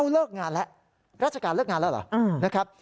เลิกงานแล้วราชการเลิกงานแล้วเหรอนะครับ